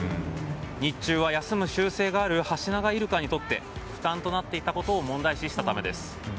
日中は休む習性があるハシナガイルカにとって負担となっていたことを問題視したためです。